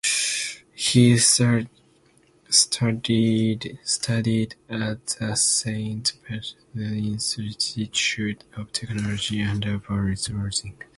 He studied at the Saint Petersburg Institute of Technology, under Boris Rosing.